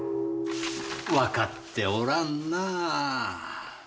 わかっておらんなあ。